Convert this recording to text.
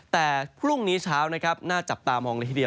แต่ภูมินี้ช้าวน่าจับตามองเลยเทียบ